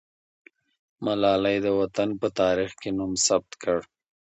ملالۍ د وطن په تاریخ کې نوم ثبت کړ.